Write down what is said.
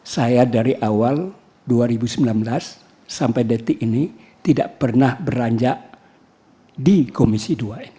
saya dari awal dua ribu sembilan belas sampai detik ini tidak pernah beranjak di komisi dua